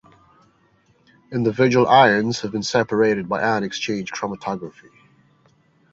Individual ions have been separated by ion exchange chromatography.